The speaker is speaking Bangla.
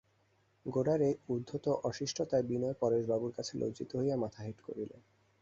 গোরার এই উদ্ধত অশিষ্টতায় বিনয় পরেশবাবুদের কাছে লজ্জিত হইয়া মাথা হেঁট করিল।